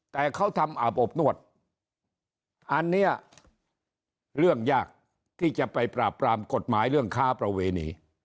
แต่เขาทำอาบอบนวดอันนี้เรื่องยากที่จะไปปราบปรามกฎหมายเรื่องค้าประเวณี